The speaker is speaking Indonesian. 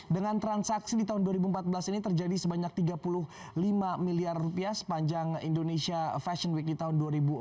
dengan transaksi di tahun dua ribu empat belas ini terjadi sebanyak tiga puluh lima miliar rupiah sepanjang indonesia fashion week di tahun dua ribu enam belas